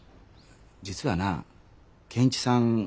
実はな健一さん